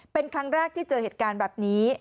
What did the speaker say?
เป็นครั้งแรกที่เจอเหตุการณ์แบบนี้